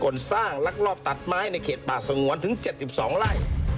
คนสร้างลักลอบตัดไม้ในเขตป่าสงวนถึง๗๒ไร่